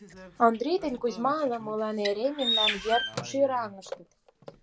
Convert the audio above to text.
Ондрий ден Кузьма ала-молан эре мемнан йыр шӱраҥыштыт.